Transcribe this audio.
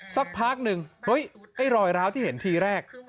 สักพักหนึ่งเฮ้ยไอ้รอยร้าวที่เห็นทีแรก